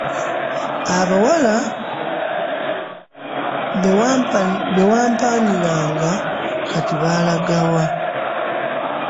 Abawala be wampaaniranga kati baalaga wa?